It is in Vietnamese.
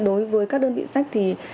đối với các đơn vị sách thì